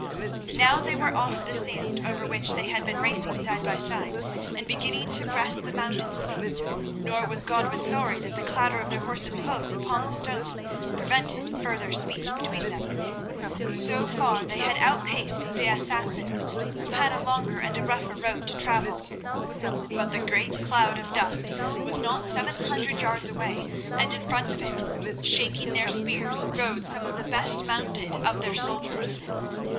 Now they were off the sand over which they had been racing side by side, and beginning to breast the mountain slope, nor was Godwin sorry that the clatter of their horses' hoofs upon the stones prevented further speech between them. So far they had outpaced the Assassins, who had a longer and a rougher road to travel; but the great cloud of dust was not seven hundred yards away, and in front of it, shaking their spears, rode some of the best mounted of their soldiers.